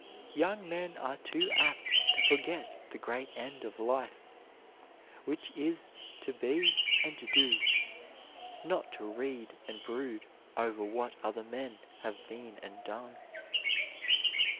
Young men are too apt to forget the great end of life, which is to be and do, not to read and brood over what other men have been and done."